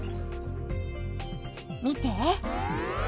見て。